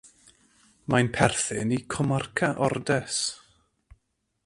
Mae'n perthyn i comarca Ordes.